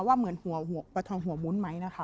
ว่าเหมือนหัวประทองหัวมุ้นไหมนะคะ